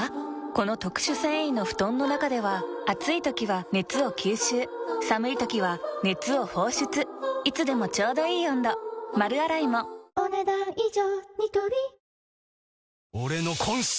この特殊繊維の布団の中では暑い時は熱を吸収寒い時は熱を放出いつでもちょうどいい温度丸洗いもお、ねだん以上。